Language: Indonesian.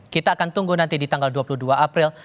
kita akan tunggu nanti di tanggal dua puluh dua april